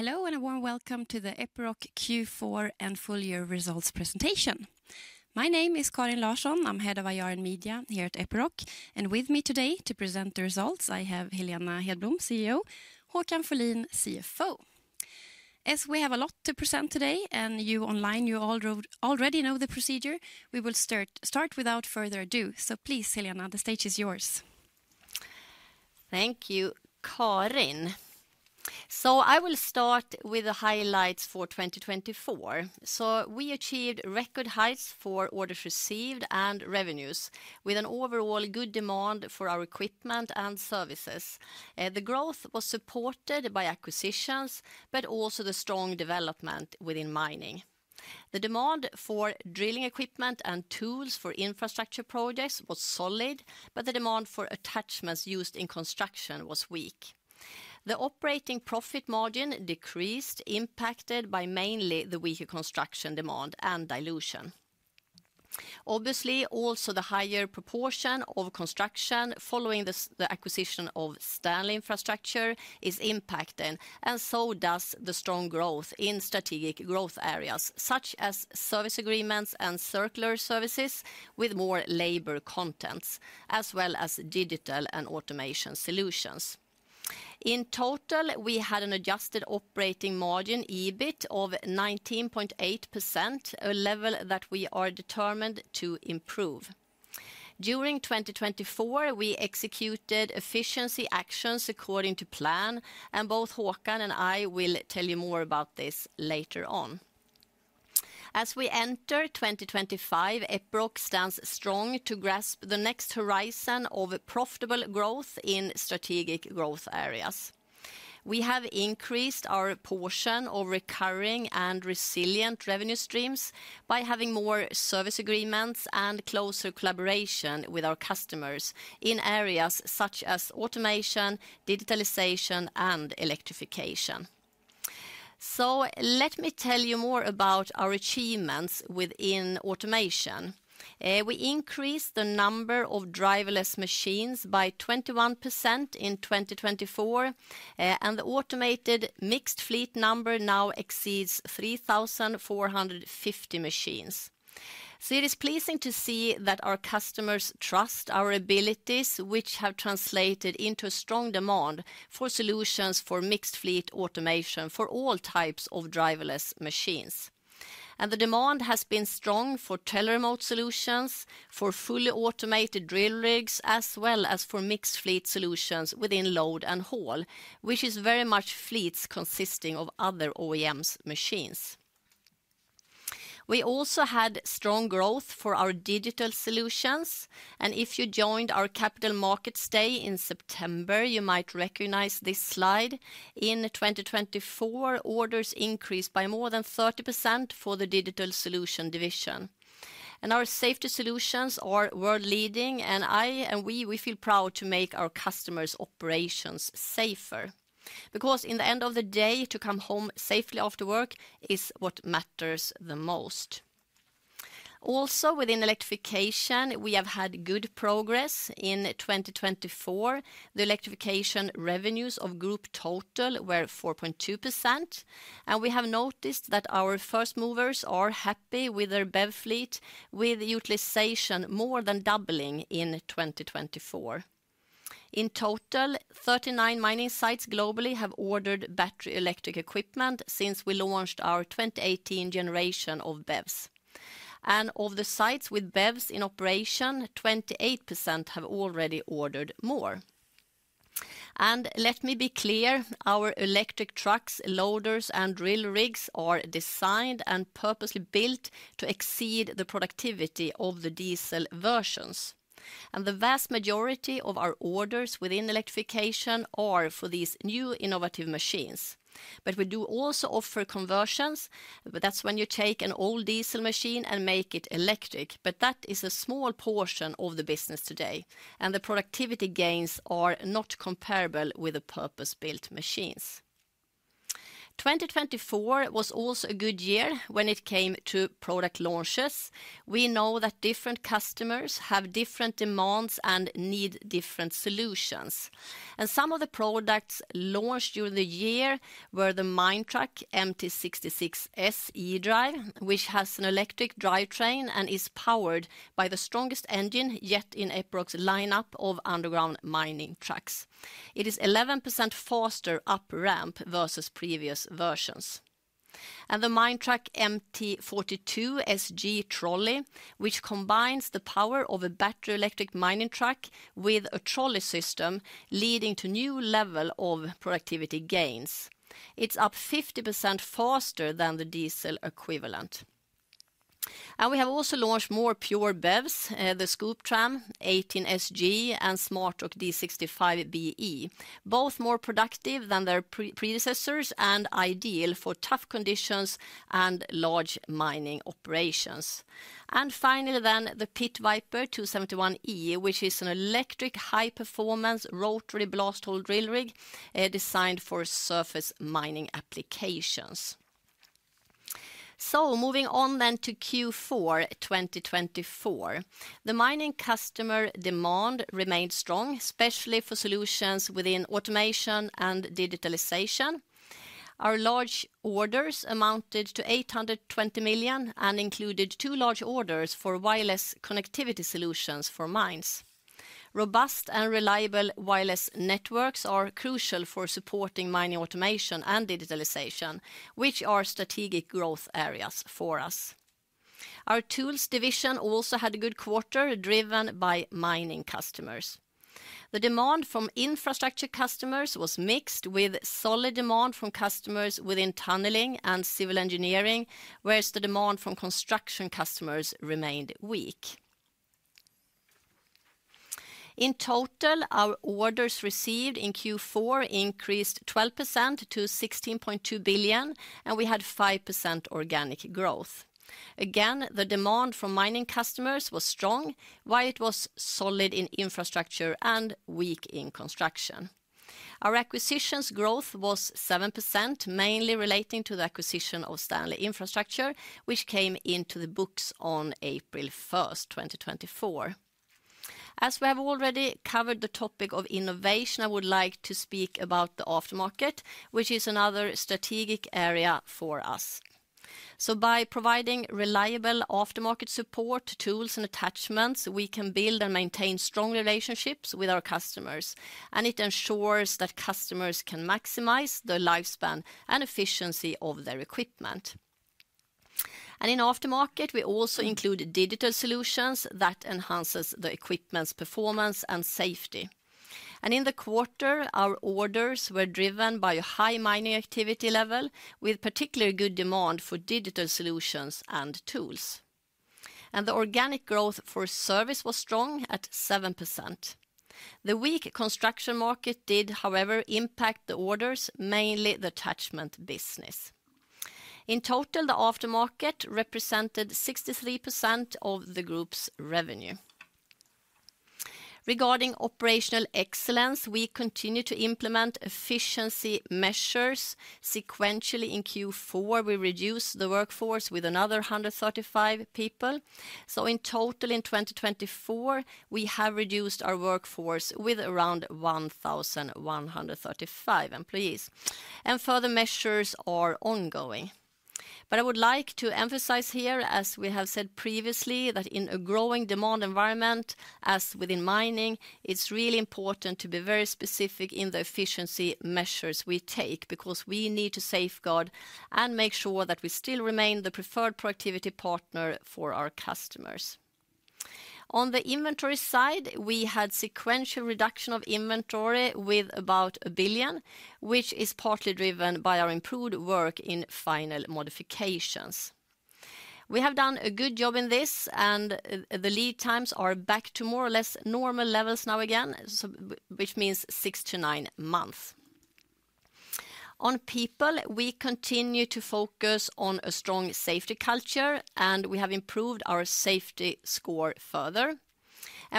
Hello and a warm welcome to the Epiroc Q4 and full year results presentation. My name is Karin Larsson. I'm head of IR and media here at Epiroc, and with me today to present the results I have Helena Hedblom, CEO, Håkan Folin, CFO. As we have a lot to present today, and you online you already know the procedure, we will start without further ado, so please Helena, the stage is yours. Thank you, Karin. So I will start with the highlights for 2024. So we achieved record highs for orders received and revenues with an overall good demand for our Equipment and Services. The growth was supported by acquisitions but also the strong development within mining. The demand for drilling equipment and tools for infrastructure projects was solid, but the demand for attachments used in construction was weak. The operating profit margin decreased, impacted by mainly the weaker construction demand and dilution. Obviously, also the higher proportion of construction following the acquisition of STANLEY Infrastructure is impacted, and so does the strong growth in strategic growth areas such as service agreements and circular services with more labor contents, as well as digital and automation solutions. In total, we had an adjusted operating margin EBIT of 19.8%, a level that we are determined to improve. During 2024, we executed efficiency actions according to plan, and both Håkan and I will tell you more about this later on. As we enter 2025, Epiroc stands strong to grasp the next horizon of profitable growth in strategic growth areas. We have increased our portion of recurring and resilient revenue streams by having more service agreements and closer collaboration with our customers in areas such as automation, digitalization, and electrification, so let me tell you more about our achievements within automation. We increased the number of driverless machines by 21% in 2024, and the automated mixed fleet number now exceeds 3,450 machines, so it is pleasing to see that our customers trust our abilities, which have translated into a strong demand for solutions for mixed fleet automation for all types of driverless machines. The demand has been strong for teleremote solutions, for fully automated drill rigs, as well as for mixed fleet solutions within load and haul, which is very much fleets consisting of other OEMs' machines. We also had strong growth for our digital solutions, and if you joined our Capital Markets Day in September, you might recognize this slide. In 2024, orders increased by more than 30% for the Digital Solutions division. Our safety solutions are world leading, and I and we feel proud to make our customers' operations safer. Because in the end of the day, to come home safely after work is what matters the most. Also, within electrification, we have had good progress. In 2024, the electrification revenues of Group Total were 4.2%, and we have noticed that our first movers are happy with their BEV fleet, with utilization more than doubling in 2024. In total, 39 mining sites globally have ordered battery electric equipment since we launched our 2018 generation of BEVs, and of the sites with BEVs in operation, 28% have already ordered more. And let me be clear, our electric trucks, loaders, and drill rigs are designed and purposely built to exceed the productivity of the diesel versions, and the vast majority of our orders within electrification are for these new innovative machines, but we do also offer conversions. That's when you take an old diesel machine and make it electric, but that is a small portion of the business today, and the productivity gains are not comparable with the purpose-built machines. 2024 was also a good year when it came to product launches. We know that different customers have different demands and need different solutions. Some of the products launched during the year were the Minetruck MT66 S eDrive, which has an electric drivetrain and is powered by the strongest engine yet in Epiroc's lineup of underground mining trucks. It is 11% faster up ramp versus previous versions. The Minetruck MT42 SG Trolley combines the power of a battery electric mining truck with a trolley system, leading to a new level of productivity gains. It's up 50% faster than the diesel equivalent. We have also launched more pure BEVs, the Scooptram ST18 SG and SmartROC D65 BE, both more productive than their predecessors and ideal for tough conditions and large mining operations. Finally, the Pit Viper 271 E is an electric high-performance rotary blast hole drill rig designed for surface mining applications. Moving on to Q4 2024, the mining customer demand remained strong, especially for solutions within automation and digitalization. Our large orders amounted to 820 million and included two large orders for wireless connectivity solutions for mines. Robust and reliable wireless networks are crucial for supporting mining automation and digitalization, which are strategic growth areas for us. Our tools division also had a good quarter driven by mining customers. The demand from infrastructure customers was mixed with solid demand from customers within tunneling and civil engineering, whereas the demand from construction customers remained weak. In total, our orders received in Q4 increased 12% to 16.2 billion, and we had 5% organic growth. Again, the demand from mining customers was strong, while it was solid in infrastructure and weak in construction. Our acquisitions growth was 7%, mainly relating to the acquisition of STANLEY Infrastructure, which came into the books on April 1st, 2024. As we have already covered the topic of innovation, I would like to speak about the aftermarket, which is another strategic area for us. So by providing reliable aftermarket support, Tools and Attachments, we can build and maintain strong relationships with our customers, and it ensures that customers can maximize the lifespan and efficiency of their equipment. And in aftermarket, we also include digital solutions that enhance the equipment's performance and safety. And in the quarter, our orders were driven by a high mining activity level with particular good demand for digital solutions and tools. And the organic growth for service was strong at 7%. The weak construction market did, however, impact the orders, mainly the Attachment business. In total, the aftermarket represented 63% of the group's revenue. Regarding operational excellence, we continue to implement efficiency measures. Sequentially, in Q4, we reduced the workforce with another 135 people. So in total, in 2024, we have reduced our workforce with around 1,135 employees. And further measures are ongoing. But I would like to emphasize here, as we have said previously, that in a growing demand environment, as within mining, it's really important to be very specific in the efficiency measures we take because we need to safeguard and make sure that we still remain the preferred productivity partner for our customers. On the inventory side, we had sequential reduction of inventory with about 1 billion, which is partly driven by our improved work in final modifications. We have done a good job in this, and the lead times are back to more or less normal levels now again, which means 6-9 months. On people, we continue to focus on a strong safety culture, and we have improved our safety score further.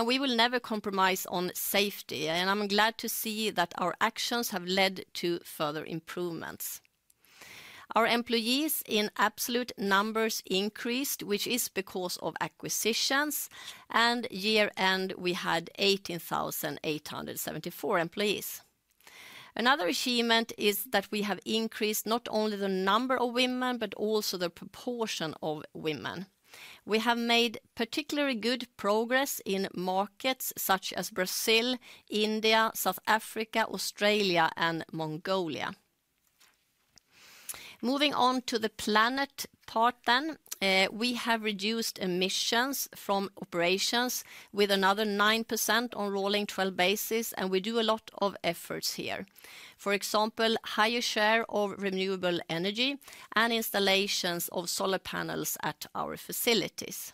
We will never compromise on safety, and I'm glad to see that our actions have led to further improvements. Our employees in absolute numbers increased, which is because of acquisitions, and at year-end we had 18,874 employees. Another achievement is that we have increased not only the number of women but also the proportion of women. We have made particularly good progress in markets such as Brazil, India, South Africa, Australia, and Mongolia. Moving on to the planet part then, we have reduced emissions from operations with another 9% on rolling 12 basis, and we do a lot of efforts here. For example, higher share of renewable energy and installations of solar panels at our facilities.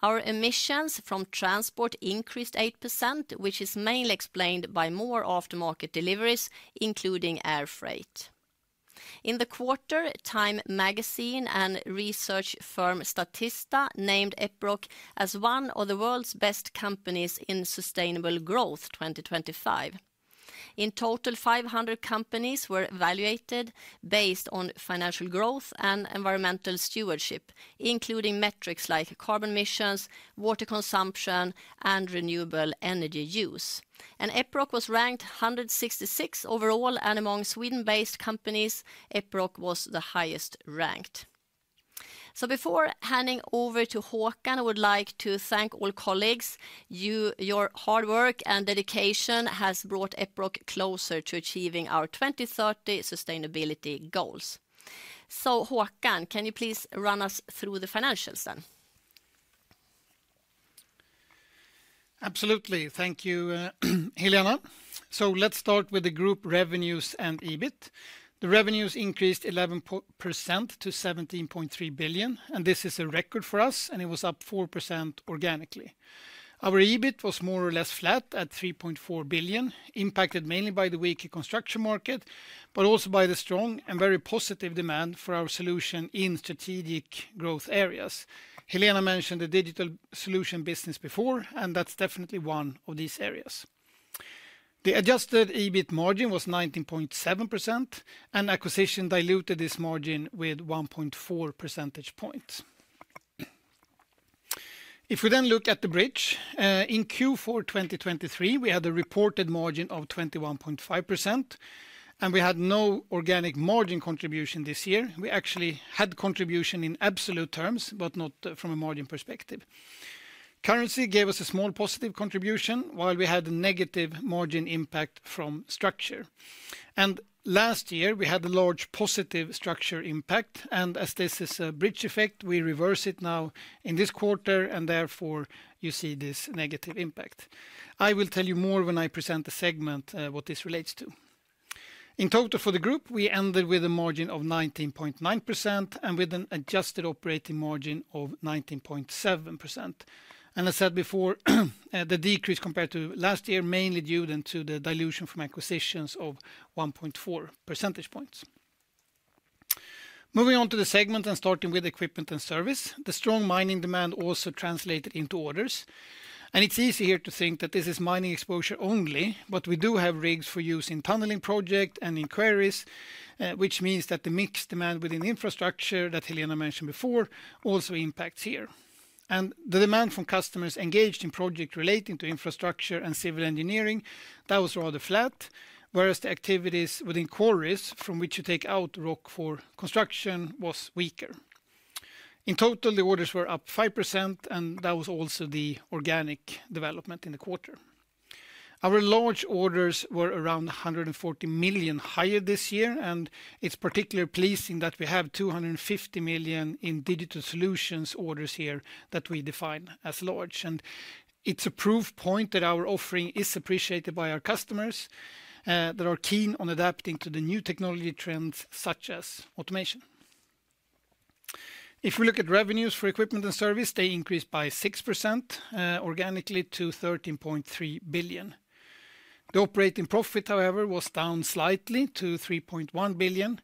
Our emissions from transport increased 8%, which is mainly explained by more aftermarket deliveries, including air freight. In the quarter, Time Magazine and research firm Statista named Epiroc as one of the world's best companies in sustainable growth 2025. In total, 500 companies were evaluated based on financial growth and environmental stewardship, including metrics like carbon emissions, water consumption, and renewable energy use. Epiroc was ranked 166th overall, and among Sweden-based companies, Epiroc was the highest ranked. Before handing over to Håkan, I would like to thank all colleagues. Your hard work and dedication has brought Epiroc closer to achieving our 2030 sustainability goals. Håkan, can you please run us through the financials then? Absolutely. Thank you, Helena. Let's start with the group revenues and EBIT. The revenues increased 11% to 17.3 billion, and this is a record for us, and it was up 4% organically. Our EBIT was more or less flat at 3.4 billion, impacted mainly by the weaker construction market, but also by the strong and very positive demand for our solution in strategic growth areas. Helena mentioned the digital solution business before, and that's definitely one of these areas. The adjusted EBIT margin was 19.7%, and acquisition diluted this margin with 1.4 percentage points. If we then look at the bridge, in Q4 2023, we had a reported margin of 21.5%, and we had no organic margin contribution this year. We actually had contribution in absolute terms, but not from a margin perspective. Currency gave us a small positive contribution, while we had a negative margin impact from structure, and last year, we had a large positive structure impact, and as this is a bridge effect, we reverse it now in this quarter, and therefore you see this negative impact. I will tell you more when I present the segment, what this relates to. In total for the group, we ended with a margin of 19.9% and with an adjusted operating margin of 19.7%. And as I said before, the decrease compared to last year is mainly due to the dilution from acquisitions of 1.4 percentage points. Moving on to the segment and starting with equipment and service, the strong mining demand also translated into orders. And it's easy here to think that this is mining exposure only, but we do have rigs for use in tunneling projects and in quarries, which means that the mixed demand within infrastructure that Helena mentioned before also impacts here. And the demand from customers engaged in projects relating to infrastructure and civil engineering, that was rather flat, whereas the activities within quarries from which you take out rock for construction was weaker. In total, the orders were up 5%, and that was also the organic development in the quarter. Our large orders were around 140 million higher this year, and it's particularly pleasing that we have 250 million in digital solutions orders here that we define as large. It's a proof point that our offering is appreciated by our customers that are keen on adapting to the new technology trends such as automation. If we look at revenues for equipment and service, they increased by 6% organically to 13.3 billion. The operating profit, however, was down slightly to 3.1 billion,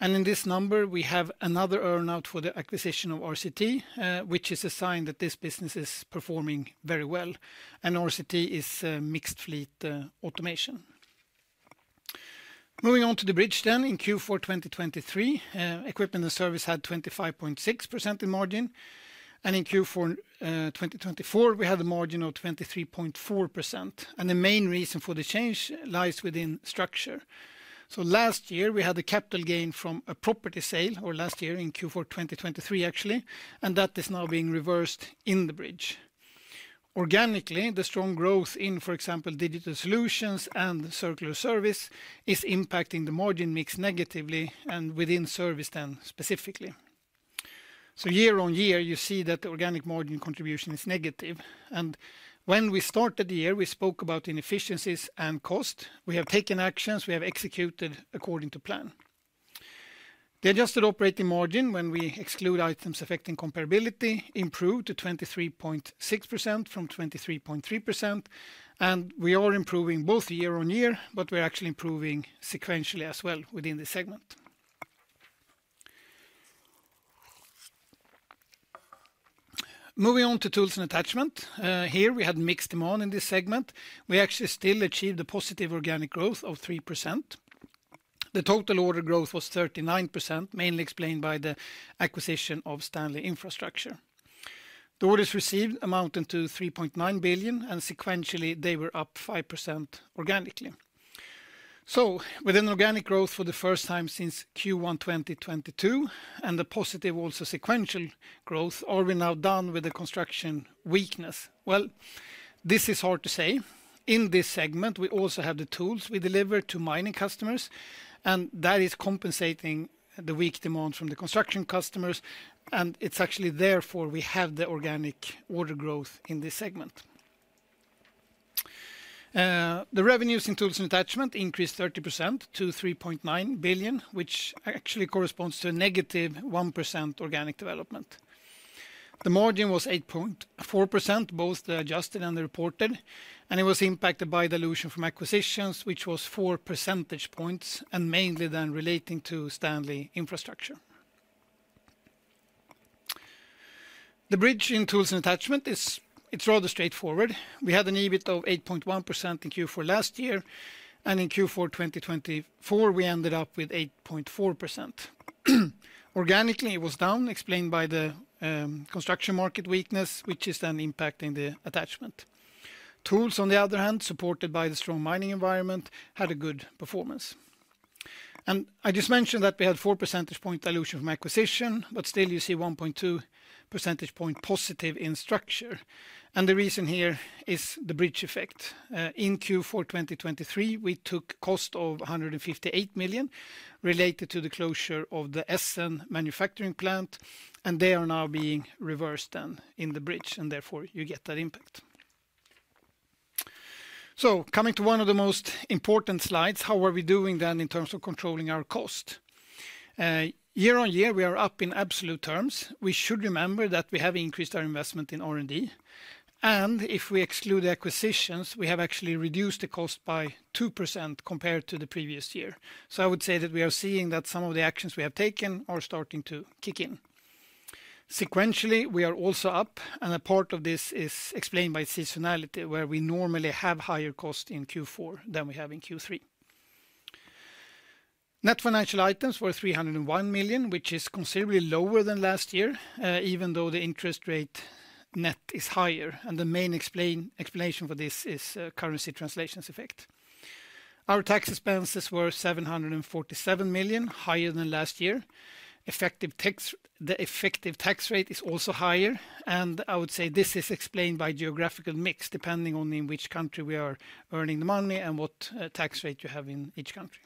and in this number, we have another earnout for the acquisition of RCT, which is a sign that this business is performing very well, and RCT is mixed fleet automation. Moving on to the bridge then in Q4 2023, equipment and service had 25.6% in margin, and in Q4 2024, we had a margin of 23.4%, and the main reason for the change lies within structure. So last year, we had a capital gain from a property sale, or last year in Q4 2023 actually, and that is now being reversed in the bridge. Organically, the strong growth in, for example, digital solutions and circular services is impacting the margin mix negatively and within service then specifically. So year on year, you see that the organic margin contribution is negative, and when we started the year, we spoke about inefficiencies and cost. We have taken actions, we have executed according to plan. The adjusted operating margin, when we exclude items affecting comparability, improved to 23.6% from 23.3%, and we are improving both year on year, but we're actually improving sequentially as well within the Tools and Attachments, here we had mixed demand in this segment. We actually still achieved a positive organic growth of 3%. The total order growth was 39%, mainly explained by the acquisition of STANLEY Infrastructure. The orders received amounted to 3.9 billion, and sequentially they were up 5% organically. So with an organic growth for the first time since Q1 2022, and the positive also sequential growth, are we now done with the construction weakness? Well, this is hard to say. In this segment, we also have the tools we deliver to mining customers, and that is compensating the weak demand from the construction customers, and it's actually therefore we have the organic order growth in this segment. The Tools and Attachments increased 30% to 3.9 billion, which actually corresponds to a negative 1% organic development. The margin was 8.4%, both the adjusted and the reported, and it was impacted by dilution from acquisitions, which was 4 percentage points and mainly then relating to STANLEY Infrastructure. The Tools and Attachments, it's rather straightforward. We had an EBIT of 8.1% in Q4 last year, and in Q4 2024, we ended up with 8.4%. Organically, it was down, explained by the construction market weakness, which is then impacting the attachment. Tools, on the other hand, supported by the strong mining environment, had a good performance. I just mentioned that we had 4 percentage points dilution from acquisition, but still you see 1.2 percentage points positive in structure. And the reason here is the bridge effect. In Q4 2023, we took cost of 158 million related to the closure of the Essen manufacturing plant, and they are now being reversed then in the bridge, and therefore you get that impact. So coming to one of the most important slides, how are we doing then in terms of controlling our cost? Year on year, we are up in absolute terms. We should remember that we have increased our investment in R&D, and if we exclude the acquisitions, we have actually reduced the cost by 2% compared to the previous year. So I would say that we are seeing that some of the actions we have taken are starting to kick in. Sequentially, we are also up, and a part of this is explained by seasonality, where we normally have higher costs in Q4 than we have in Q3. Net financial items were 301 million, which is considerably lower than last year, even though the interest rate net is higher, and the main explanation for this is currency translations effect. Our tax expenses were 747 million, higher than last year. The effective tax rate is also higher, and I would say this is explained by geographical mix depending on in which country we are earning the money and what tax rate you have in each country.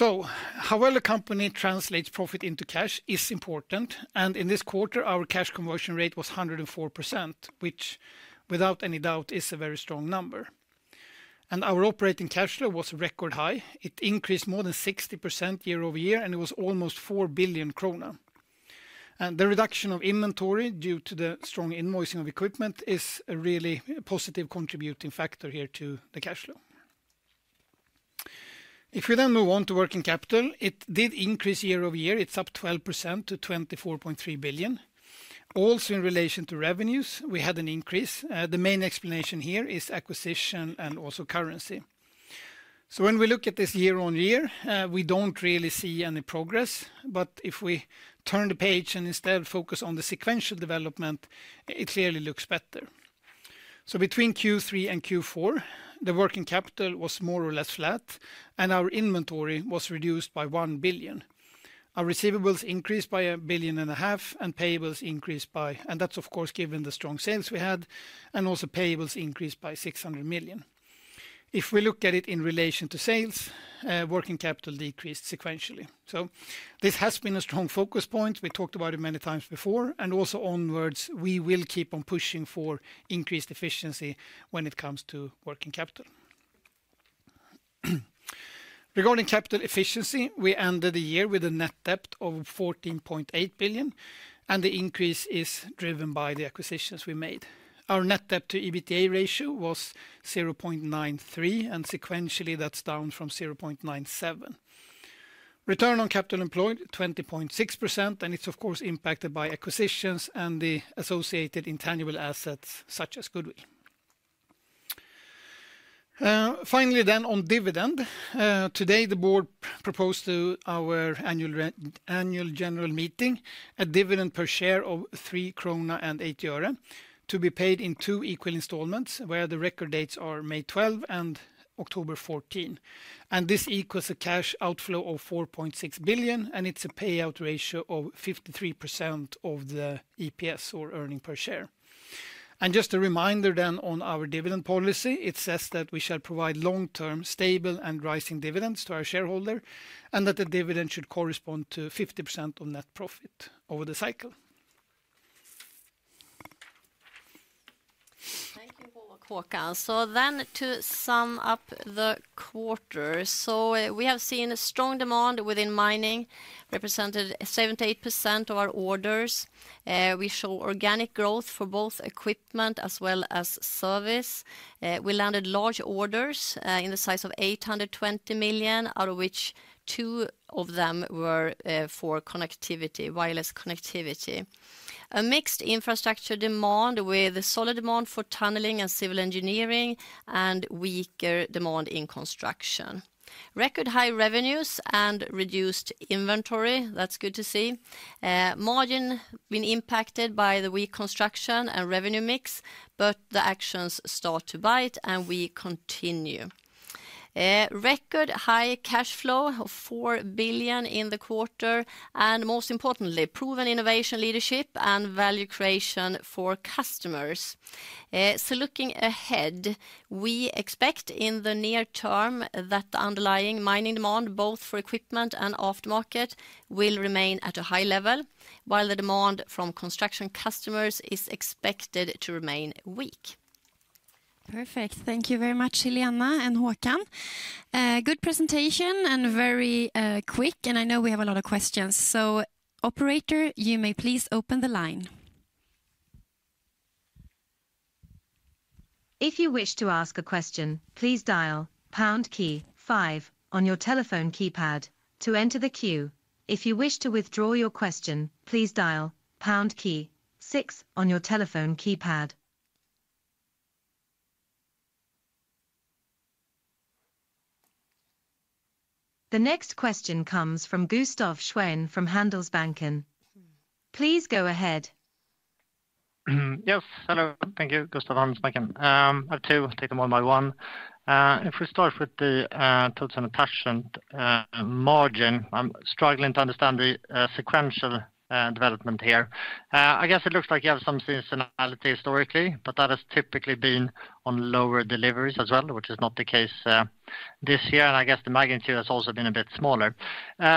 So how well a company translates profit into cash is important, and in this quarter, our cash conversion rate was 104%, which without any doubt is a very strong number, and our operating cash flow was record high. It increased more than 60% year over year, and it was almost 4 billion krona. The reduction of inventory due to the strong invoicing of equipment is a really positive contributing factor here to the cash flow. If we then move on to working capital, it did increase year over year. It's up 12% to 24.3 billion. Also in relation to revenues, we had an increase. The main explanation here is acquisition and also currency. When we look at this year on year, we don't really see any progress, but if we turn the page and instead focus on the sequential development, it clearly looks better. Between Q3 and Q4, the working capital was more or less flat, and our inventory was reduced by 1 billion. Our receivables increased by 1.5 billion, and payables increased by SEK 600 million, and that's of course given the strong sales we had. If we look at it in relation to sales, working capital decreased sequentially. So this has been a strong focus point. We talked about it many times before, and also onwards, we will keep on pushing for increased efficiency when it comes to working capital. Regarding capital efficiency, we ended the year with a net debt of 14.8 billion, and the increase is driven by the acquisitions we made. Our net debt to EBITDA ratio was 0.93, and sequentially that's down from 0.97. Return on capital employed 20.6%, and it's of course impacted by acquisitions and the associated intangible assets such as goodwill. Finally then on dividend, today the board proposed to our Annual General Meeting a dividend per share of SEK 3.80 to be paid in two equal installments where the record dates are May 12 and October 14. This equals a cash outflow of 4.6 billion, and it's a payout ratio of 53% of the EPS or earnings per share. Just a reminder then on our dividend policy, it says that we shall provide long-term stable and rising dividends to our shareholder and that the dividend should correspond to 50% of net profit over the cycle. Thank you Håkan. Then to sum up the quarter, we have seen strong demand within mining represented 78% of our orders. We show organic growth for both equipment as well as service. We landed large orders in the size of 820 million, out of which two of them were for connectivity, wireless connectivity. A mixed infrastructure demand with solid demand for tunneling and civil engineering and weaker demand in construction. Record high revenues and reduced inventory, that's good to see. Margin been impacted by the weak construction and revenue mix, but the actions start to bite and we continue. Record high cash flow of 4 billion in the quarter and most importantly proven innovation leadership and value creation for customers. So looking ahead, we expect in the near term that the underlying mining demand both for equipment and aftermarket will remain at a high level while the demand from construction customers is expected to remain weak. Perfect. Thank you very much, Helena and Håkan. Good presentation and very quick, and I know we have a lot of questions. So operator, you may please open the line. If you wish to ask a question, please dial pound key five on your telephone keypad to enter the queue. If you wish to withdraw your question, please dial pound key six on your telephone keypad. The next question comes from Gustaf Schwerin from Handelsbanken. Please go ahead. Yes, hello, thank you. I have two, take them one by one. If we start Tools and Attachments margin, i'm struggling to understand the sequential development here. I guess it looks like you have some seasonality historically, but that has typically been on lower deliveries as well, which is not the case this year, and I guess the magnitude has also been a bit smaller.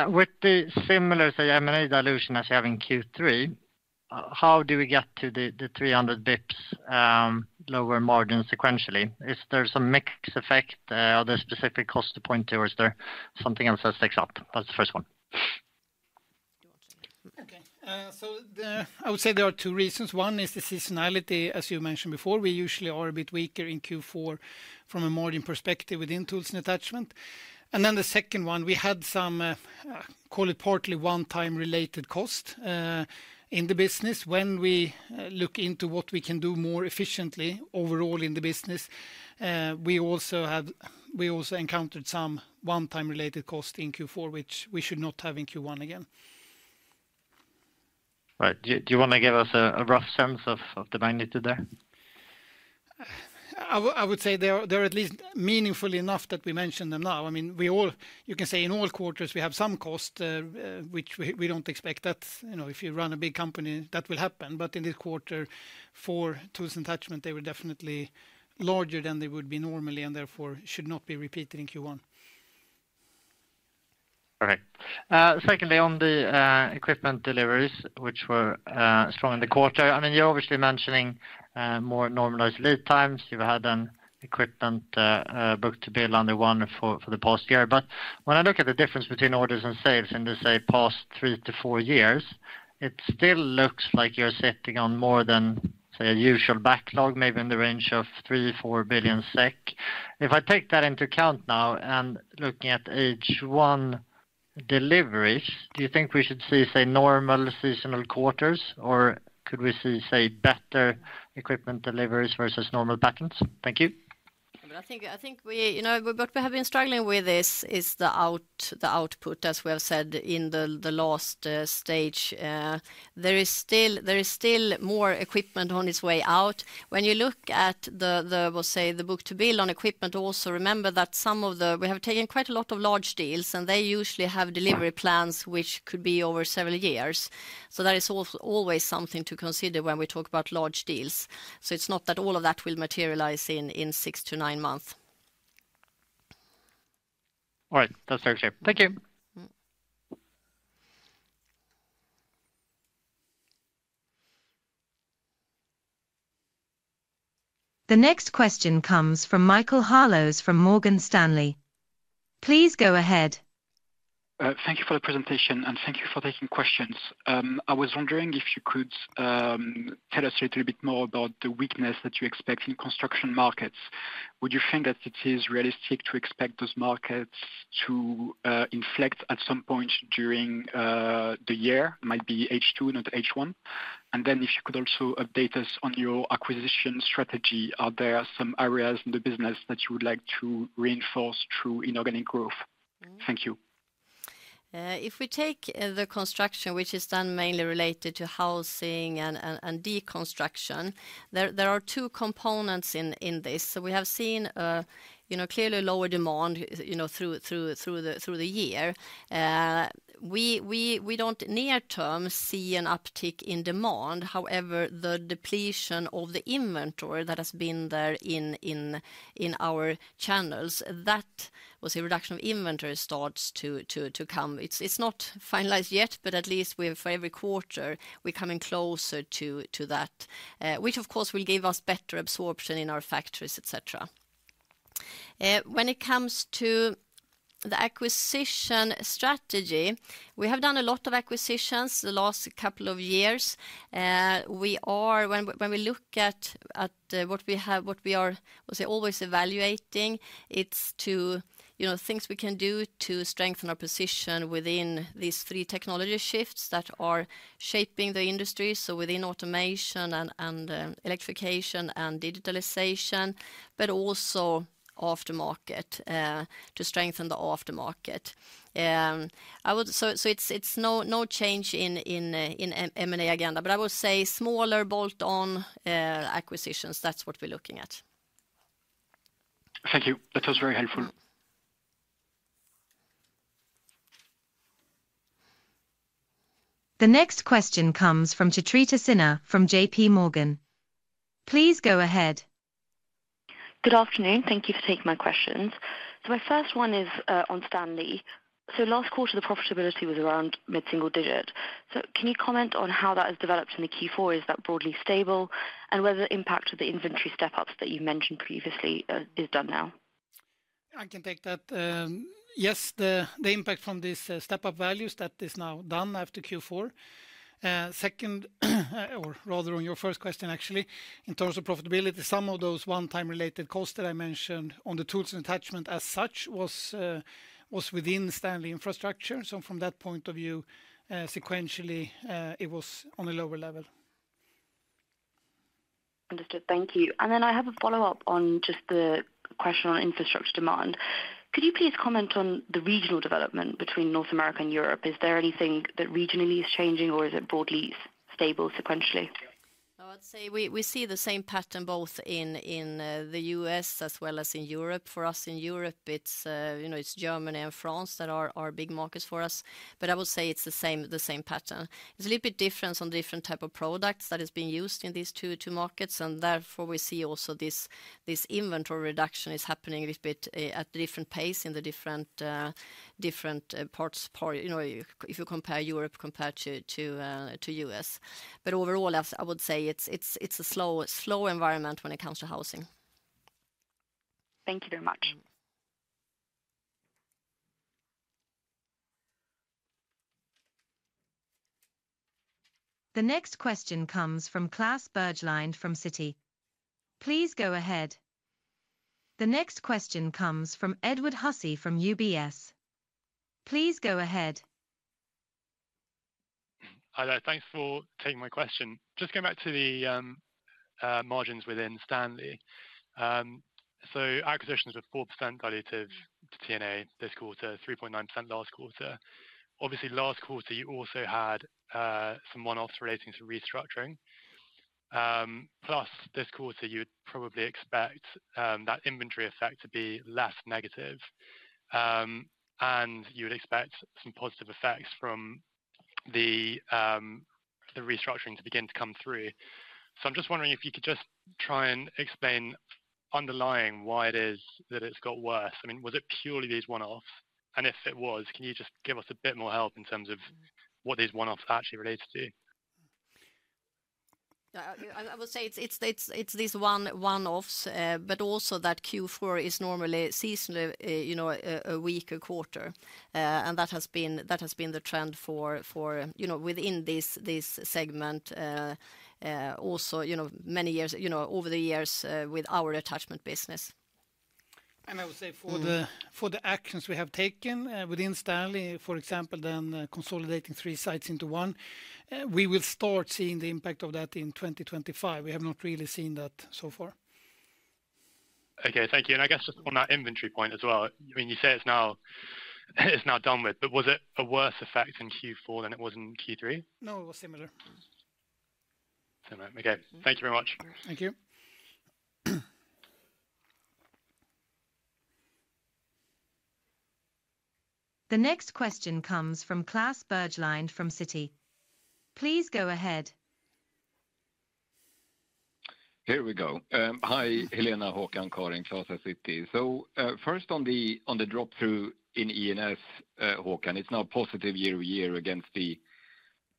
With the similar M&A dilution as you have in Q3, how do we get to the 300 basis points lower margin sequentially? Is there some mix effect of the specific cost to point to, or is there something else that sticks up? That's the first one. Okay, so I would say there are two reasons. One is the seasonality, as you mentioned before, we usually are a bit weaker in Q4 from a margin Tools and Attachments. and then the second one, we had some, call it partly one-time related cost in the business. When we look into what we can do more efficiently overall in the business, we also encountered some one-time related cost in Q4, which we should not have in Q1 again. Right, do you want to give us a rough sense of the magnitude there? I would say they're at least meaningful enough that we mention them now. I mean, you can say in all quarters we have some cost, which we don't expect that if you run a big company that will happen, but in this Tools and Attachments, they were definitely larger than they would be normally and therefore should not be repeated in Q1. Okay, secondly on the equipment deliveries, which were strong in the quarter, I mean, you're obviously mentioning more normalized lead times. You've had an equipment book to bill under one for the past year, but when I look at the difference between orders and sales in the, say, past three to four years, it still looks like you're sitting on more than, say, a usual backlog, maybe in the range of 3 billion-4 billion SEK. If I take that into account now and looking at H1 deliveries, do you think we should see, say, normal seasonal quarters, or could we see, say, better equipment deliveries versus normal patterns? Thank you. I think what we have been struggling with is the output, as we have said in the last stage. There is still more equipment on its way out. When you look at the, say, the book to bill on equipment, also remember that some of the, we have taken quite a lot of large deals and they usually have delivery plans which could be over several years. So that is always something to consider when we talk about large deals. So it's not that all of that will materialize in 6-9 months. All right, that's very clear. Thank you. The next question comes from Michael Harlow from Morgan Stanley. Please go ahead. Thank you for the presentation and thank you for taking questions. I was wondering if you could tell us a little bit more about the weakness that you expect in construction markets. Would you think that it is realistic to expect those markets to inflect at some point during the year? Might be H2, not H1. And then if you could also update us on your acquisition strategy, are there some areas in the business that you would like to reinforce through inorganic growth? Thank you. If we take the construction, which is then mainly related to housing and deconstruction, there are two components in this. So we have seen clearly lower demand through the year. We don't near-term see an uptick in demand. However, the depletion of the inventory that has been there in our channels, that was a reduction of inventory starts to come. It's not finalized yet, but at least for every quarter we're coming closer to that, which of course will give us better absorption in our factories, etc. When it comes to the acquisition strategy, we have done a lot of acquisitions the last couple of years. When we look at what we are, I would say, always evaluating, it's to things we can do to strengthen our position within these three technology shifts that are shaping the industry. So within automation and electrification and digitalization, but also aftermarket to strengthen the aftermarket. So it's no change in M&A agenda, but I will say smaller bolt-on acquisitions, that's what we're looking at. Thank you. That was very helpful. The next question comes from Chitrita Sinha from JPMorgan. Please go ahead. Good afternoon. Thank you for taking my questions. So my first one is on STANLEY. Last quarter, the profitability was around mid-single digit. Can you comment on how that has developed in the Q4? Is that broadly stable? Whether the impact of the inventory step-ups that you mentioned previously is done now? I can take that. Yes, the impact from these step-up values, that is now done after Q4. Second, or rather on your first question actually, in terms of profitability, some of those one-time related costs that I mentioned Tools and Attachments as such was within STANLEY Infrastructure. From that point of view, sequentially it was on a lower level. Understood. Thank you. I have a follow-up on just the question on infrastructure demand. Could you please comment on the regional development between North America and Europe? Is there anything that regionally is changing or is it broadly stable sequentially? I would say we see the same pattern both in the U.S. as well as in Europe. For us in Europe, it's Germany and France that are our big markets for us. But I would say it's the same pattern. It's a little bit different on different types of products that have been used in these two markets. And therefore we see also this inventory reduction is happening a little bit at a different pace in the different parts. If you compare Europe compared to U.S. But overall, I would say it's a slow environment when it comes to housing. Thank you very much. The next question comes from Klas Bergelind from Citi. Please go ahead. The next question comes from Edward Hussey from UBS. Please go ahead. Thanks for taking my question. Just going back to the margins within STANLEY. So acquisitions were 4% dilutive to T&A this quarter, 3.9% last quarter. Obviously, last quarter you also had some one-offs relating to restructuring. Plus, this quarter you would probably expect that inventory effect to be less negative. And you would expect some positive effects from the restructuring to begin to come through. So I'm just wondering if you could just try and explain underlying why it is that it's got worse. I mean, was it purely these one-offs? And if it was, can you just give us a bit more help in terms of what these one-offs actually relate to? I would say it's these one-offs, but also that Q4 is normally seasonally a weak quarter. And that has been the trend for within this segment also many years over the years with our attachment business. And I would say for the actions we have taken within STANLEY, for example, then consolidating three sites into one, we will start seeing the impact of that in 2025. We have not really seen that so far. Okay, thank you. And I guess just on that inventory point as well. I mean, you say it's now done with, but was it a worse effect in Q4 than it was in Q3? No, it was similar. Similar. Okay, thank you very much. Thank you. The next question comes from Klas Bergelind from Citi. Please go ahead. Here we go. Hi, Helena, Håkan, Karin. Klas, I see it. So first on the drop-through in E&S, Håkan, it's now positive year over year against the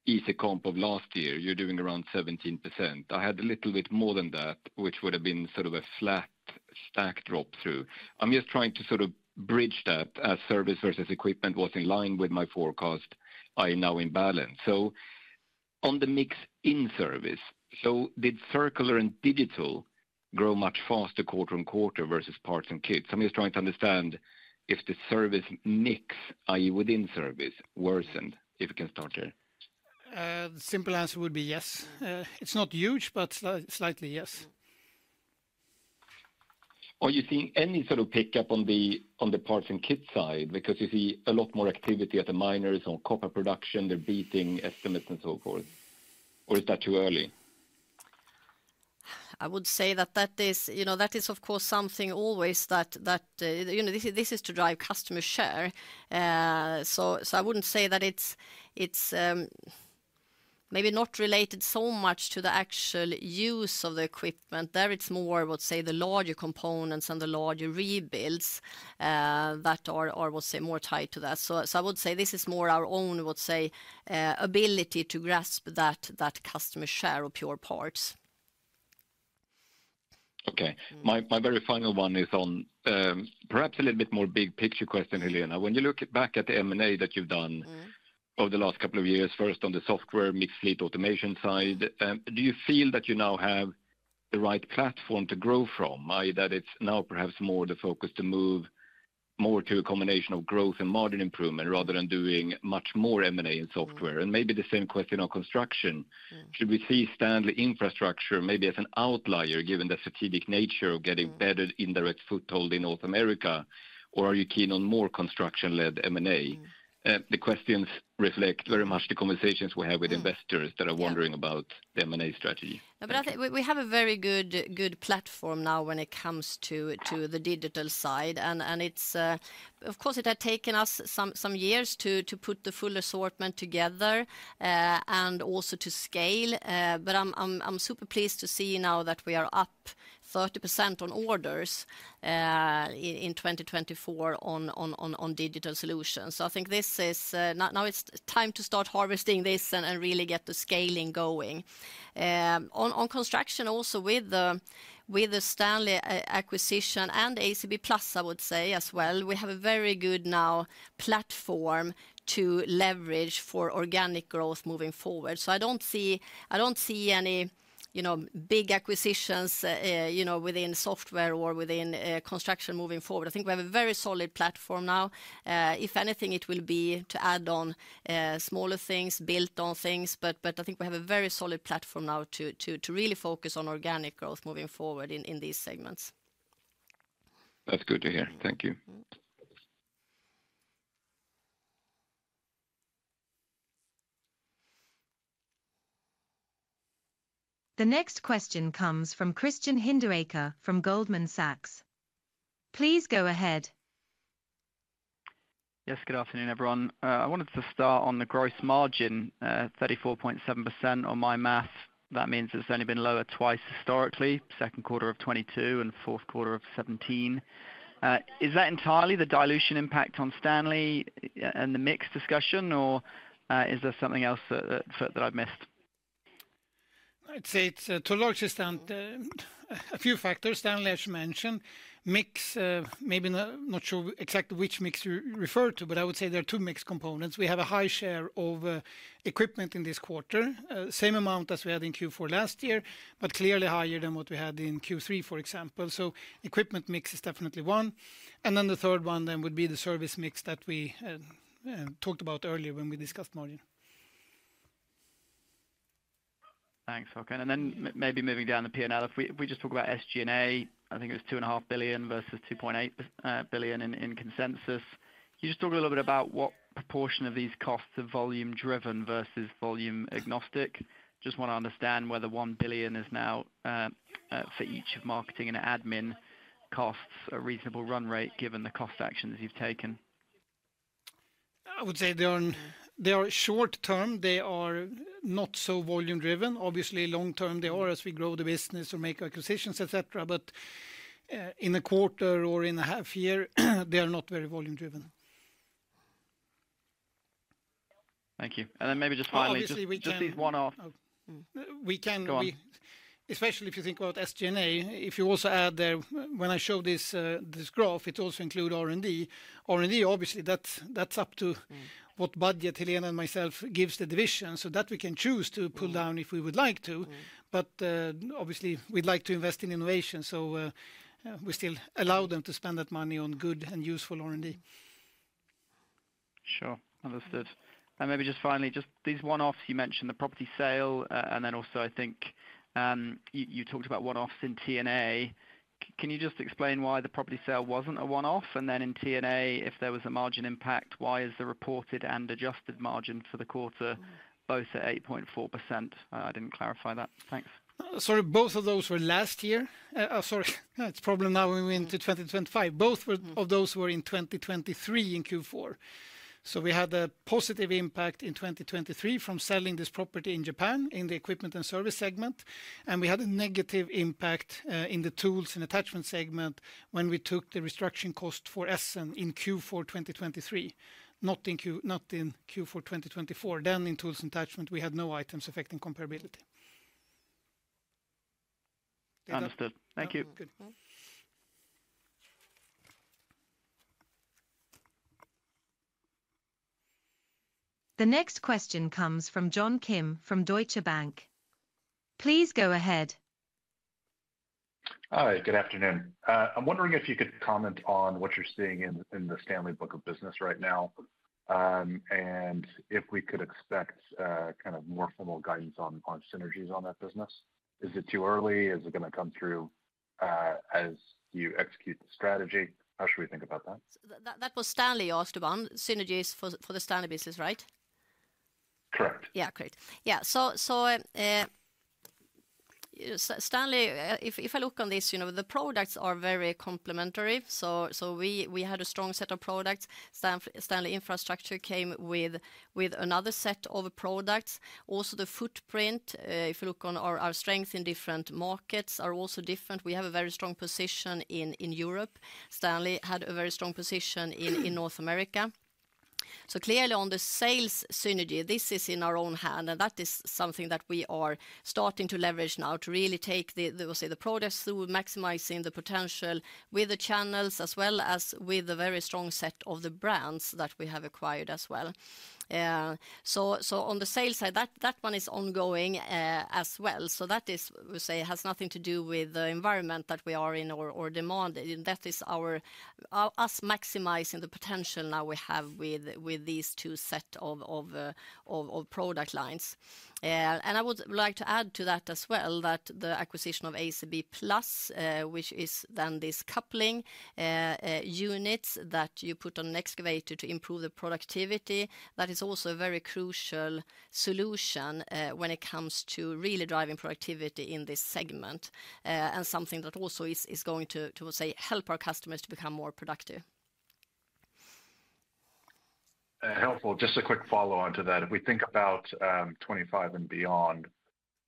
ECOMP of last year. You're doing around 17%. I had a little bit more than that, which would have been sort of a flat stack drop-through. I'm just trying to sort of bridge that, as service versus equipment was in line with my forecast. I know an imbalance. So on the mix in service, so did circular and digital grow much faster quarter on quarter versus parts and kits? I'm just trying to understand if the service mix, i.e., within service worsened, if you can start there. The simple answer would be yes. It's not huge, but slightly yes. Are you seeing any sort of pickup on the parts and kit side because you see a lot more activity at the miners on copper production? They're beating estimates and so forth. Or is that too early? I would say that that is, of course, something always that this is to drive customer share. So I wouldn't say that it's maybe not related so much to the actual use of the equipment. There, it's more, I would say, the larger components and the larger rebuilds that are, I would say, more tied to that. So I would say this is more our own, I would say, ability to grasp that customer share of spare parts. Okay. My very final one is on perhaps a little bit more big picture question, Helena. When you look back at the M&A that you've done over the last couple of years, first on the software mixed fleet automation side, do you feel that you now have the right platform to grow from? I think that it's now perhaps more the focus to move more to a combination of growth and margin improvement rather than doing much more M&A and software. And maybe the same question on construction. Should we see STANLEY Infrastructure maybe as an outlier given the strategic nature of getting better indirect foothold in North America? Or are you keen on more construction-led M&A? The questions reflect very much the conversations we have with investors that are wondering about the M&A strategy. We have a very good platform now when it comes to the digital side. And of course, it had taken us some years to put the full assortment together and also to scale. But I'm super pleased to see now that we are up 30% on orders in 2024 on digital solutions. So I think this is now it's time to start harvesting this and really get the scaling going. On construction also with the STANLEY acquisition and ACB+, I would say as well, we have a very good now platform to leverage for organic growth moving forward. So I don't see any big acquisitions within software or within construction moving forward. I think we have a very solid platform now. If anything, it will be to add on smaller things, built on things. But I think we have a very solid platform now to really focus on organic growth moving forward in these segments. That's good to hear. Thank you. The next question comes from Christian Hinderaker from Goldman Sachs. Please go ahead. Yes, good afternoon everyone. I wanted to start on the gross margin, 34.7% on my math. That means it's only been lower twice historically, second quarter of 2022 and fourth quarter of 2017. Is that entirely the dilution impact on STANLEY and the mix discussion, or is there something else that I've missed? I'd say it's to a large extent a few factors, STANLEY, as you mentioned, mix, maybe not sure exactly which mix you refer to, but I would say there are two mix components. We have a high share of equipment in this quarter, same amount as we had in Q4 last year, but clearly higher than what we had in Q3, for example. So equipment mix is definitely one. And then the third one then would be the service mix that we talked about earlier when we discussed margin. Thanks, Håkan. And then maybe moving down the P&L, if we just talk about SG&A, I think it was 2.5 billion versus 2.8 billion in consensus. Can you just talk a little bit about what proportion of these costs are volume-driven versus volume-agnostic? Just want to understand whether 1 billion is now for each of marketing and admin costs, a reasonable run rate given the cost actions you've taken. I would say they are short-term. They are not so volume-driven. Obviously, long-term they are as we grow the business or make acquisitions, etc. But in a quarter or in a half year, they are not very volume-driven. Thank you. And then maybe just finally, just these one-offs. We can, especially if you think about SG&A, if you also add there, when I show this graph, it also includes R&D. R&D, obviously, that's up to what budget Helena and myself gives the division so that we can choose to pull down if we would like to. But obviously, we'd like to invest in innovation. So we still allow them to spend that money on good and useful R&D. Sure. Understood. And maybe just finally, just these one-offs you mentioned, the property sale, and then also I think you talked about one-offs in T&A. Can you just explain why the property sale wasn't a one-off? And then in T&A, if there was a margin impact, why is the reported and adjusted margin for the quarter both at 8.4%? I didn't clarify that. Thanks. Sorry, both of those were last year. Sorry, it's probably now we're into 2025. Both of those were in 2023 in Q4. So we had a positive impact in 2023 from selling this property in Japan in the equipment and service segment. And we had a negative impact Tools and Attachments segment when we took the restructuring cost for Essen in Q4 2023, not in Q4 2024. Tools and Attachments, we had no items affecting comparability. Understood. Thank you. The next question comes from John Kim from Deutsche Bank. Please go ahead. Hi, good afternoon. I'm wondering if you could comment on what you're seeing in the STANLEY book of business right now and if we could expect kind of more formal guidance on synergies on that business. Is it too early? Is it going to come through as you execute the strategy? How should we think about that? That was STANLEY after one, synergies for the STANLEY business, right? Correct. Yeah, great. Yeah. So STANLEY, if I look on this, the products are very complementary. So we had a strong set of products. STANLEY Infrastructure came with another set of products. Also, the footprint, if you look on our strength in different markets, are also different. We have a very strong position in Europe. STANLEY had a very strong position in North America. So clearly on the sales synergy, this is in our own hand. And that is something that we are starting to leverage now to really take the products through maximizing the potential with the channels as well as with the very strong set of the brands that we have acquired as well. So on the sales side, that one is ongoing as well. So that is, we say, has nothing to do with the environment that we are in or demanded. That is us maximizing the potential now we have with these two sets of product lines. And I would like to add to that as well that the acquisition of ACB+, which is then this coupling units that you put on an excavator to improve the productivity, that is also a very crucial solution when it comes to really driving productivity in this segment and something that also is going to help our customers to become more productive. Helpful. Just a quick follow-on to that. If we think about 2025 and beyond,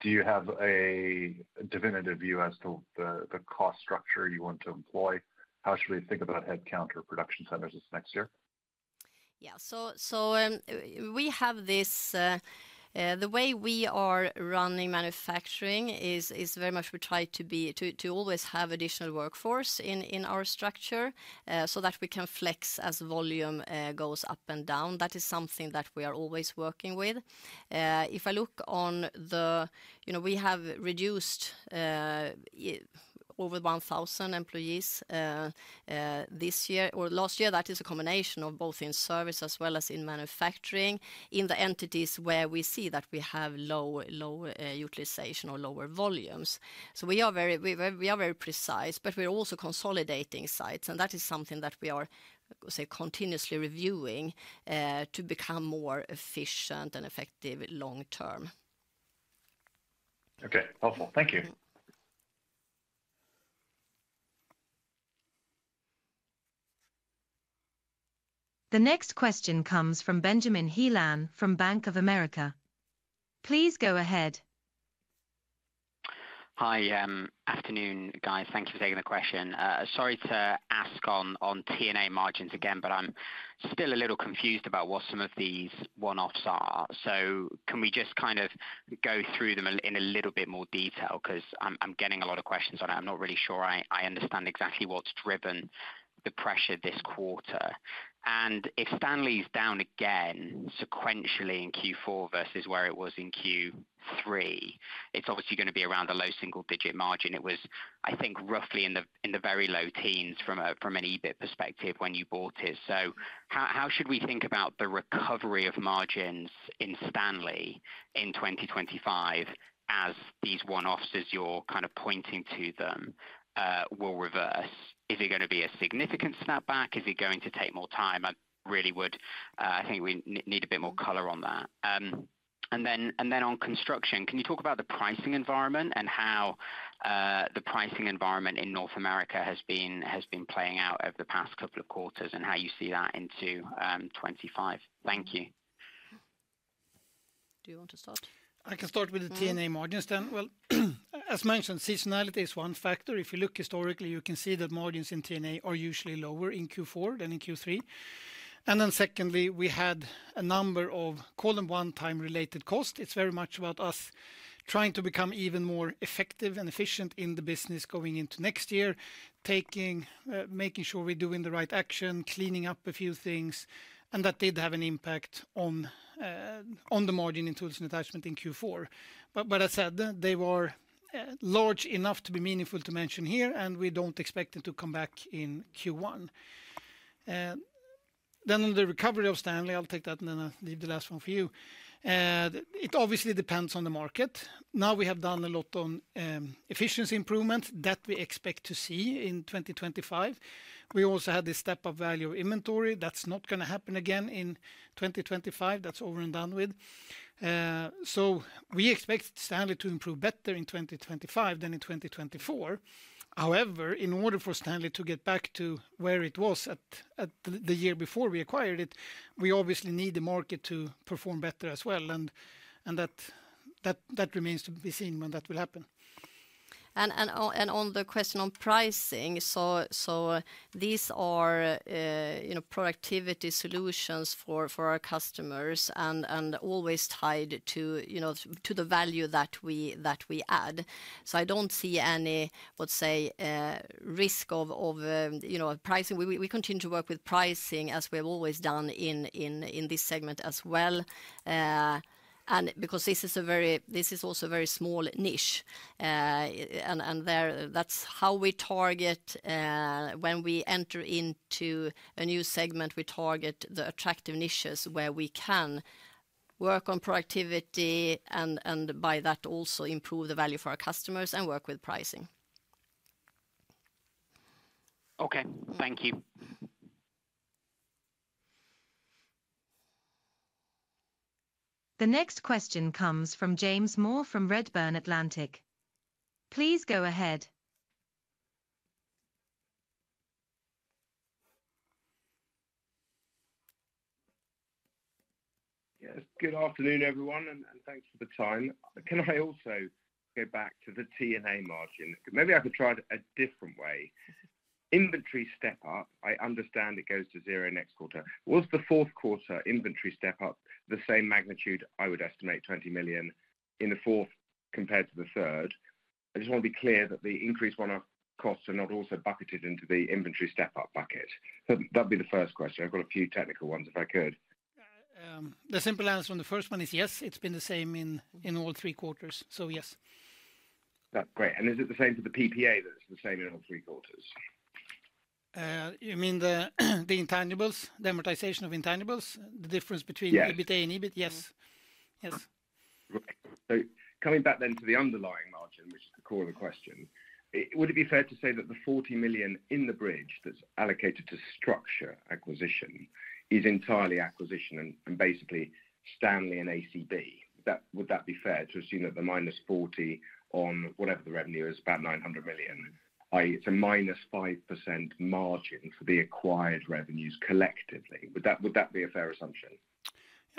do you have a definitive view as to the cost structure you want to employ? How should we think about headcount or production centers this next year? Yeah. So we have this. The way we are running manufacturing is very much we try to always have additional workforce in our structure so that we can flex as volume goes up and down. That is something that we are always working with. If I look on the we have reduced over 1,000 employees this year or last year. That is a combination of both in service as well as in manufacturing in the entities where we see that we have low utilization or lower volumes. So we are very precise, but we're also consolidating sites. And that is something that we are continuously reviewing to become more efficient and effective long-term. Okay. Helpful. Thank you. The next question comes from Ben Heelan from Bank of America. Please go ahead. Hi, afternoon, guys. Thank you for taking the question. Sorry to ask on T&A margins again, but I'm still a little confused about what some of these one-offs are. So can we just kind of go through them in a little bit more detail because I'm getting a lot of questions on it? I'm not really sure I understand exactly what's driven the pressure this quarter. And if STANLEY's down again sequentially in Q4 versus where it was in Q3, it's obviously going to be around a low single-digit margin. It was, I think, roughly in the very low teens from an EBIT perspective when you bought it. How should we think about the recovery of margins in STANLEY in 2025 as these one-offs as you're kind of pointing to them will reverse? Is it going to be a significant snapback? Is it going to take more time? I really would, I think we need a bit more color on that. And then on construction, can you talk about the pricing environment and how the pricing environment in North America has been playing out over the past couple of quarters and how you see that into 2025? Thank you. Do you want to start? I can start with the T&A margins then. As mentioned, seasonality is one factor. If you look historically, you can see that margins in T&A are usually lower in Q4 than in Q3. And then secondly, we had a number of call them one-time-related costs. It's very much about us trying to become even more effective and efficient in the business going into next year, making sure we're doing the right action, cleaning up a few things, and that did have an impact on the Tools and Attachments in q4. But as I said, they were large enough to be meaningful to mention here, and we don't expect it to come back in Q1, then on the recovery of STANLEY, I'll take that and then I'll leave the last one for you. It obviously depends on the market. Now we have done a lot on efficiency improvement that we expect to see in 2025. We also had this step-up value of inventory. That's not going to happen again in 2025. That's over and done with, so we expect STANLEY to improve better in 2025 than in 2024. However, in order for STANLEY to get back to where it was the year before we acquired it, we obviously need the market to perform better as well, and that remains to be seen when that will happen. And on the question on pricing, so these are productivity solutions for our customers and always tied to the value that we add, so I don't see any, let's say, risk of pricing. We continue to work with pricing as we have always done in this segment as well, and because this is also a very small niche, and that's how we target when we enter into a new segment, we target the attractive niches where we can work on productivity and by that also improve the value for our customers and work with pricing. Okay. Thank you. The next question comes from James Moore from Redburn Atlantic. Please go ahead. Good afternoon, everyone, and thanks for the time. Can I also go back to the T&A margin? Maybe I could try a different way. Inventory step-up, I understand it goes to zero next quarter. Was the fourth quarter inventory step-up the same magnitude? I would estimate 20 million in the fourth compared to the third. I just want to be clear that the increased one-off costs are not also bucketed into the inventory step-up bucket. So that'd be the first question. I've got a few technical ones if I could. The simple answer on the first one is yes. It's been the same in all three quarters. So yes. That's great. And is it the same for the PPA that it's the same in all three quarters? You mean the intangibles, the amortization of intangibles, the difference between EBITA and EBIT? Yes. Yes. Coming back then to the underlying margin, which is the core of the question, would it be fair to say that the 40 million in the bridge that's allocated to structure acquisition is entirely acquisition and basically STANLEY and ACB? Would that be fair to assume that the -40 million on whatever the revenue is, about 900 million, it's a -5% margin for the acquired revenues collectively? Would that be a fair assumption?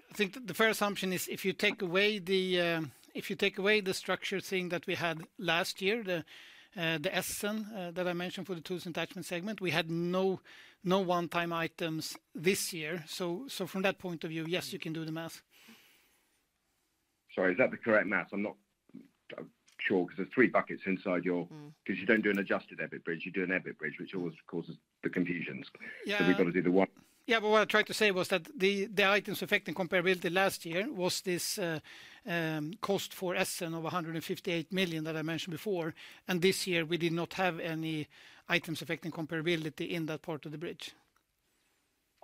I think the fair assumption is if you take away the structure thing that we had last year, the Essen that I mentioned Tools and Attachments segment, we had no one-time items this year. So from that point of view, yes, you can do the math. Sorry, is that the correct math? I'm not sure because there's three buckets inside your because you don't do an adjusted EBIT bridge. You do an EBIT bridge, which always causes the confusion. So we've got to do the one. Yeah, but what I tried to say was that the items affecting comparability last year was this cost for Essen of 158 million SEK that I mentioned before. And this year, we did not have any items affecting comparability in that part of the bridge.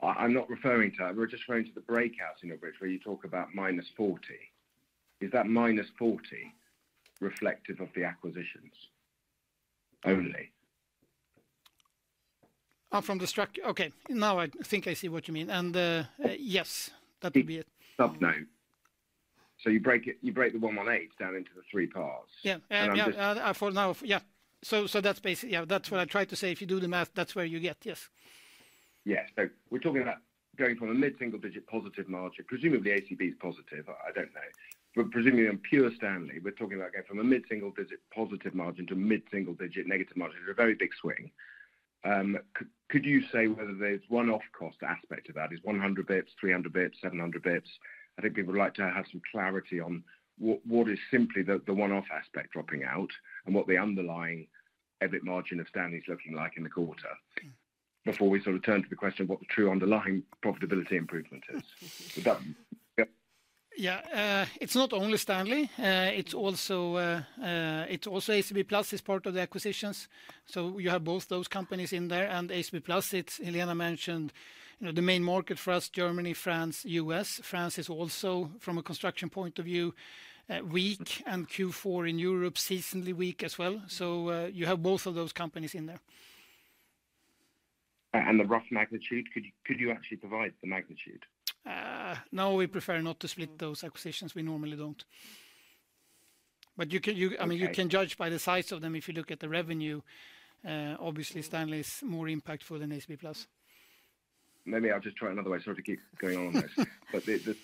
I'm not referring to that. We're just referring to the breakouts in your bridge where you talk about -40. Is that -40 reflective of the acquisitions only? From the structure, okay. Now I think I see what you mean. And yes, that would be it. So no. So you break the 118 down into the three parts. Yeah. Yeah. So that's basically what I tried to say. If you do the math, that's where you get. Yes. Yeah. So we're talking about going from a mid-single digit positive margin. Presumably, ACB+ is positive. I don't know. But presumably, on pure STANLEY, we're talking about going from a mid-single digit positive margin to mid-single digit negative margin. It's a very big swing. Could you say whether there's one-off cost aspect to that? Is 100 basis points, 300 basis points, 700 basis points? I think people would like to have some clarity on what is simply the one-off aspect dropping out and what the underlying EBIT margin of STANLEY is looking like in the quarter before we sort of turn to the question of what the true underlying profitability improvement is. Yeah. It's not only STANLEY. It's also ACB+ is part of the acquisitions. So you have both those companies in there. ACB+, Helena, mentioned the main market for us, Germany, France, U.S. France is also, from a construction point of view, weak and Q4 in Europe, seasonally weak as well. So you have both of those companies in there. And the rough magnitude, could you actually divide the magnitude? No, we prefer not to split those acquisitions. We normally don't. But I mean, you can judge by the size of them if you look at the revenue. Obviously, STANLEY is more impactful than ACB+. Maybe I'll just try another way. Sorry to keep going on this. But the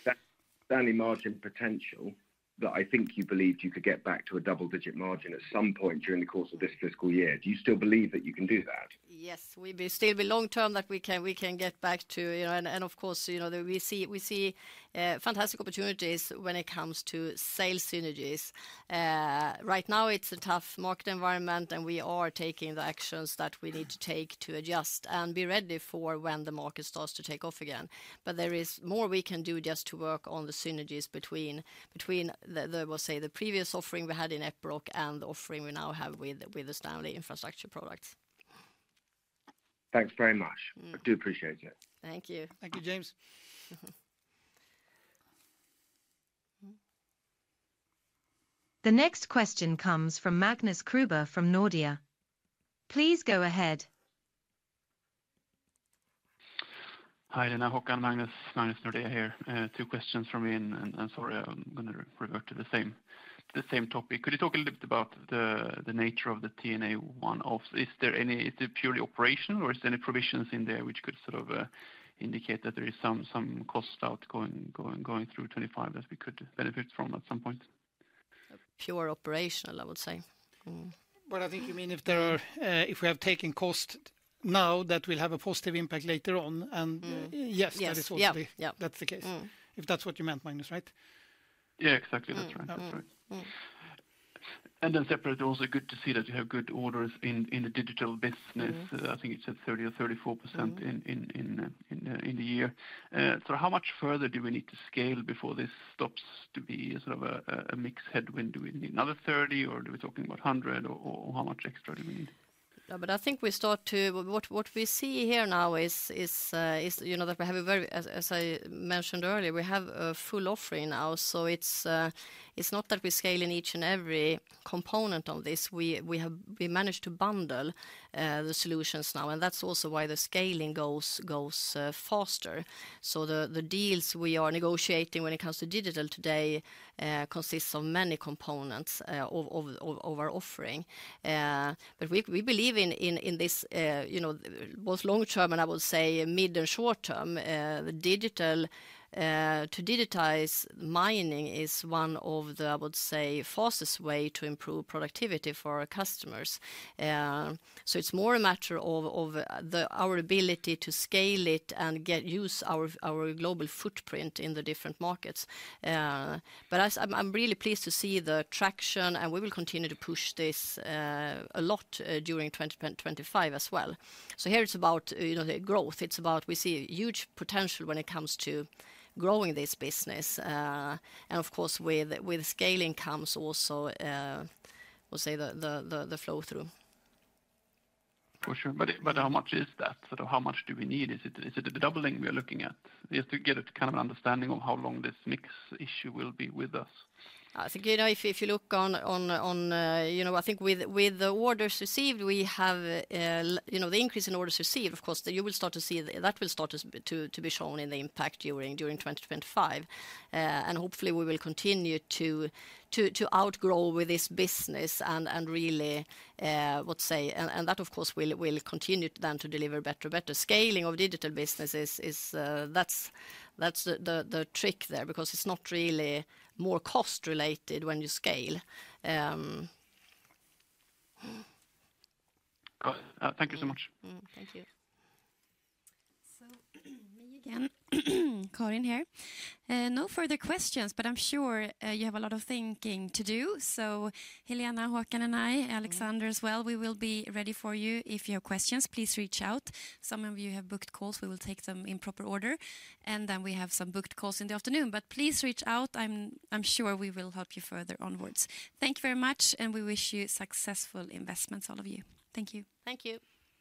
STANLEY margin potential that I think you believed you could get back to a double-digit margin at some point during the course of this fiscal year, do you still believe that you can do that? Yes, we still believe long-term that we can get back to. And of course, we see fantastic opportunities when it comes to sales synergies. Right now, it's a tough market environment, and we are taking the actions that we need to take to adjust and be ready for when the market starts to take off again. But there is more we can do just to work on the synergies between the previous offering we had in Epiroc and the offering we now have with the STANLEY Infrastructure products. Thanks very much. I do appreciate it. Thank you. Thank you, James. The next question comes from Magnus Kruber from Nordea. Please go ahead. Hi, Helena, Håkan. Magnus, Magnus Nordea here. Two questions from me. And sorry, I'm going to revert to the same topic. Could you talk a little bit about the nature of the T&A one-off? Is there purely operational, or is there any provisions in there which could sort of indicate that there is some cost out going through 2025 that we could benefit from at some point? Pure operational, I would say. But I think you mean if we have taken cost now that will have a positive impact later on. And yes, that is possible. That's the case. If that's what you meant, Magnus, right? Yeah, exactly. That's right. That's right. And then separately, it's also good to see that you have good orders in the digital business. I think it's at 30% or 34% in the year. So how much further do we need to scale before this stops to be sort of a mix headwind? Do we need another 30%, or are we talking about 100%, or how much extra do we need? But I think what we see here now is that we have a very, as I mentioned earlier, full offering now. So it's not that we scale in each and every component on this. We managed to bundle the solutions now, and that's also why the scaling goes faster. So the deals we are negotiating when it comes to digital today consist of many components of our offering. But we believe in this, both long-term and I would say mid- and short-term. Digital to digitize mining is one of the, I would say, fastest ways to improve productivity for our customers. So it's more a matter of our ability to scale it and use our global footprint in the different markets. But I'm really pleased to see the traction, and we will continue to push this a lot during 2025 as well. So here it's about growth. It's about we see huge potential when it comes to growing this business. And of course, with scaling comes also, I would say, the flow through. For sure. But how much is that? How much do we need? Is it a doubling we are looking at? Just to get a kind of an understanding of how long this mix issue will be with us. I think if you look on, I think with the orders received, we have the increase in orders received, of course, that you will start to see that will start to be shown in the impact during 2025. And hopefully, we will continue to outgrow with this business and really, let's say, and that, of course, will continue then to deliver better scaling of digital businesses. That's the trick there because it's not really more cost-related when you scale. Thank you so much. Thank you. Me again, Karin here. No further questions, but I'm sure you have a lot of thinking to do. Helena, Håkan, and I, Alexander as well, we will be ready for you. If you have questions, please reach out. Some of you have booked calls. We will take them in proper order. Then we have some booked calls in the afternoon. But please reach out. I'm sure we will help you further onwards. Thank you very much, and we wish you successful investments, all of you. Thank you. Thank you.